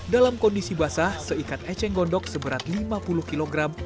dalam kondisi basah seikat eceng gondok seberat lima puluh kg